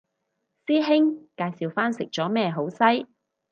師兄介紹返食咗咩好西